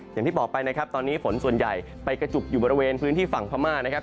อย่างที่บอกไปนะครับตอนนี้ฝนส่วนใหญ่ไปกระจุกอยู่บริเวณพื้นที่ฝั่งพม่านะครับ